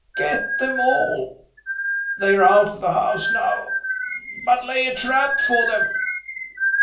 get them all! They're out of the house now, but lay a trap for them.